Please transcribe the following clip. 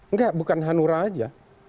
enggak bukan hanura aja